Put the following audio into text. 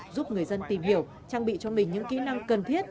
giúp người dân tìm hiểu trang bị cho mình những kỹ năng cần thiết